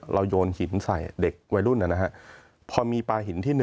โยนหินใส่เด็กวัยรุ่นนะฮะพอมีปลาหินที่๑